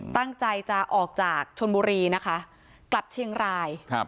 ตั้งใจจะออกจากชนบุรีนะคะกลับเชียงรายครับ